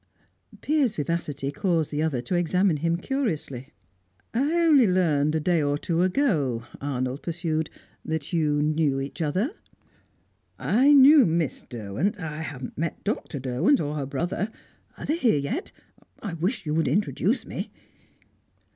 Piers' vivacity caused the other to examine him curiously. "I only learned a day or two ago," Arnold pursued, "that you knew each other." "I knew Miss Derwent. I haven't met Dr. Derwent or her brother. Are they here yet? I wish you would introduce me."